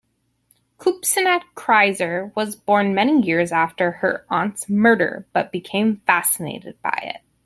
Kupcinet-Kriser was born many years after her aunt's murder but became fascinated by it.